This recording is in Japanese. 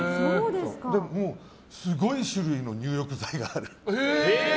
で、もうすごい種類の入浴剤がある。